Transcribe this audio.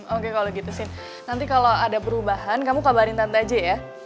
oke kalo gitu sin nanti kalo ada perubahan kamu kabarin tante aja ya